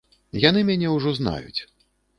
Яны мяне ўжо знаюць.